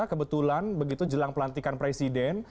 kebetulan begitu jelang pelantikan presiden